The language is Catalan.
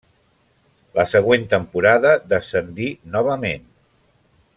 La següent temporada descendí novament.